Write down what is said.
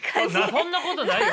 そんなことないよ